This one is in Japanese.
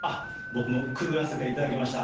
僕もくぐらせてもらいました。